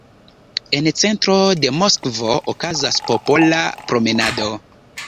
En centro de Moskvo okazas popola promenado.